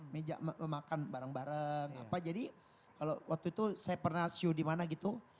meja makan bareng bareng apa jadi kalau waktu itu saya pernah show dimana gitu